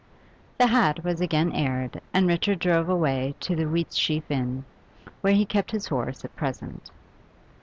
The hat was again aired, and Richard drove away to the Wheatsheaf Inn, where he kept his horse at present.